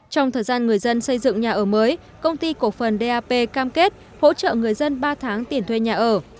trong thời gian người dân xây dựng nhà ở mới công ty cổ phần dap cam kết hỗ trợ người dân ba tháng tiền thuê nhà ở